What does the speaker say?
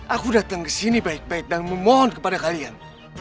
aku datang kesini baik baik dan memohon kepada kalian